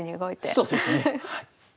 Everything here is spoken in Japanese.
そうですねはい。